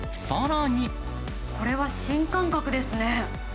これは新感覚ですね。